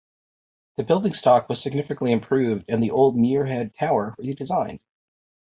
The building stock was significantly improved and the old Muirhead Tower redesigned.